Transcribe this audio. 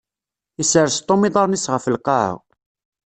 Isres Tom iḍaṛṛen-is ɣef lqaɛa.